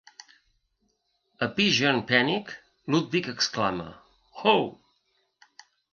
A "Pigeon Panic", Ludwig exclama: "Ho!